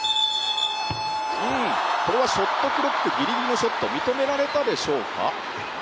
ショットクロックギリギリのショット認められたか。